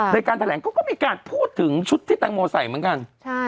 ในการแถลงก็มีการพูดถึงชุดที่แตงโมใส่เหมือนกัน